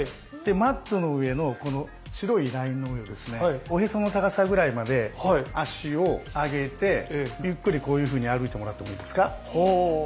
マットの上のこの白いラインの上をおへその高さぐらいまで脚を上げてゆっくりこういうふうに歩いてもらってもいいですか？